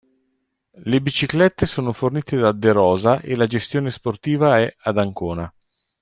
Le biciclette sono fornite da De Rosa e la gestione sportiva è ad Ancona.